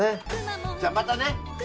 じゃあまたね。